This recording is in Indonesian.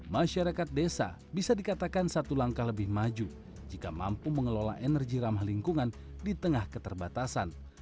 masyarakat desa bisa dikatakan satu langkah lebih maju jika mampu mengelola energi ramah lingkungan di tengah keterbatasan